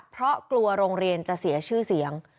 เพราะกลัวโรงเรียนจะเสียชื่อเสียง